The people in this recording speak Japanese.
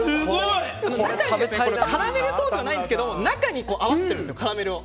カラメルソースじゃないんですけど中に合わせてるんですカラメルを。